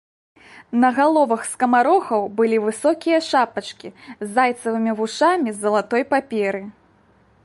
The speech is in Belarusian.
На галовах скамарохаў былі высокія шапачкі з зайцавымі вушамі з залатой паперы.